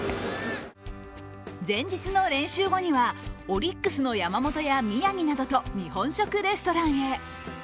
前日の練習後にはオリックスの山本や宮城などと日本食レストランへ。